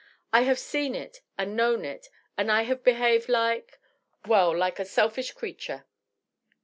I have seen it and known it — and I have behaved like .. well, like a selfish creature